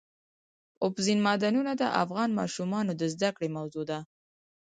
اوبزین معدنونه د افغان ماشومانو د زده کړې موضوع ده.